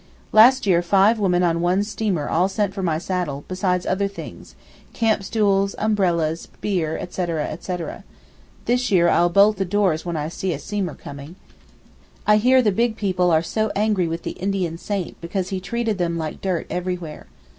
Last year five women on one steamer all sent for my saddle, besides other things—campstools, umbrellas, beer, etc., etc. This year I'll bolt the doors when I see a steamer coming. I hear the big people are so angry with the Indian saint because he treated them like dirt everywhere.